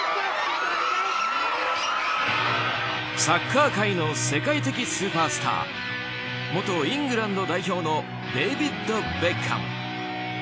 サッカー界の世界的スーパースター元イングランド代表のデービッド・ベッカム。